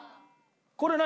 これ何？